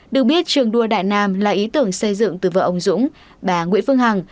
được biết trường đua đại nam là ý tưởng xây dựng từ vợ ông dũng bà nguyễn phương hằng